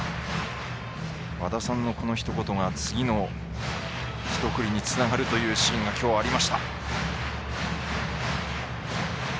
和田さんのひと言が次の一振りにつながるというシーンがきょうはありました。